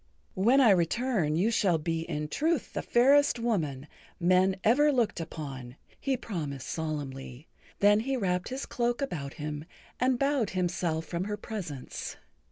"When I return you shall be in truth the fairest woman men ever looked upon," he promised solemnly. Then he wrapped his cloak about him and bowed himself from her presence.